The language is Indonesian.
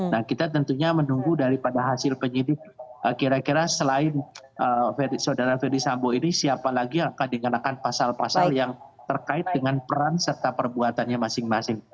nah kita tentunya menunggu daripada hasil penyidik kira kira selain saudara ferdisambo ini siapa lagi yang akan dikenakan pasal pasal yang terkait dengan peran serta perbuatannya masing masing